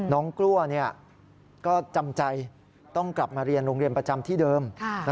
น้องกลัวก็จำใจต้องกลับมาเรียนโรงเรียนประจำที่เดิม